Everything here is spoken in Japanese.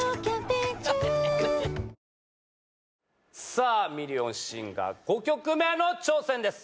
さぁ『ミリオンシンガー』５曲目の挑戦です。